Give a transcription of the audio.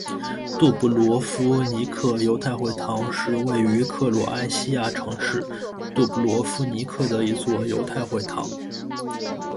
杜布罗夫尼克犹太会堂是位于克罗埃西亚城市杜布罗夫尼克的一座犹太会堂。